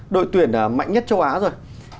đội tuyển mạnh nhất châu á rồi